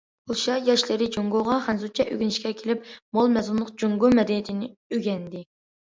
پولشا ياشلىرى جۇڭگوغا خەنزۇچە ئۆگىنىشكە كېلىپ، مول مەزمۇنلۇق جۇڭگو مەدەنىيىتىنى ئۆگەندى.